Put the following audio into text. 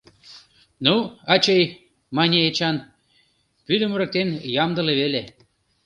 — Ну, ачый, — мане Эчан, — вӱдым ырыктен ямдыле веле.